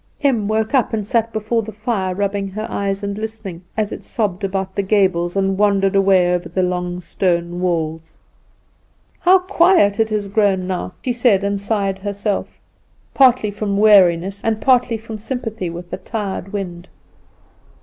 Em woke up, and sat before the fire, rubbing her eyes, and listening, as it sobbed about the gables, and wandered away over the long stone walls. "How quiet it has grown now," she said, and sighed herself, partly from weariness and partly from sympathy with the tired wind.